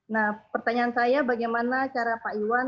nah pertanyaan saya bagaimana cara pak iwan